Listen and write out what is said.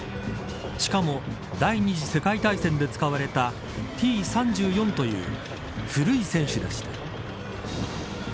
しかも第２次世界大戦で使われたＴ−３４という古い戦車でした。